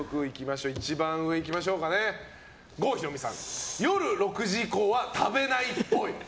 早速、一番上、郷ひろみさん夜６時以降は食べないっぽい。